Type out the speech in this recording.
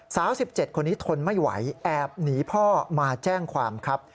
๑๗คนนี้ทนไม่ไหวแอบหนีพ่อมาแจ้งความครับ